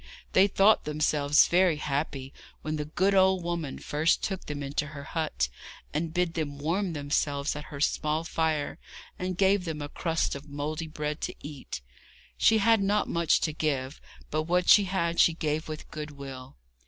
They thought themselves very happy when the good old woman first took them into her hut, and bid them warm themselves at her small fire, and gave them a crust of mouldy bread to eat. She had not much to give, but what she had she gave with goodwill.